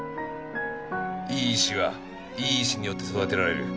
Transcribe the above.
いい医師はいい医師によって育てられる。